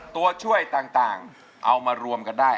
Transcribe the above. ตัวช่วยต่างเอามารวมกันได้